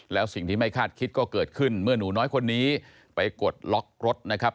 แล้วสิ่งที่ไม่คาดคิดก็เกิดขึ้นเมื่อหนูน้อยคนนี้ไปกดล็อกรถนะครับ